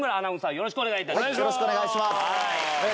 よろしくお願いします。